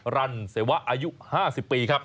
รันเสวะอายุ๕๐ปีครับ